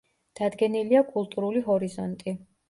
დადგენილია კულტურული ჰორიზონტი.